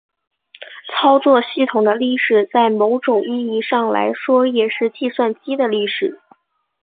操作系统的历史在某种意义上来说也是计算机的历史。